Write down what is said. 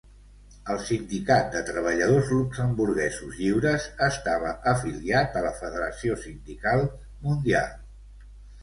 El Sindicat de Treballadors Luxemburguesos Lliures estava afiliat a la Federació Sindical Mundial.